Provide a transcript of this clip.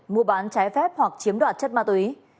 mua bán trái phép hoặc chiếm đoạt chất ma túy